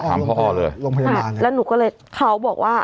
พ่อเลยโรงพยาบาลแล้วหนูก็เลยเขาบอกว่า